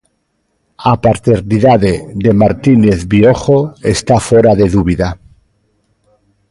A paternidade de Martínez Viojo está fóra de dúbida.